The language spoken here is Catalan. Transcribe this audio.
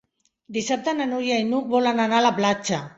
Dissabte na Núria i n'Hug volen anar a la platja.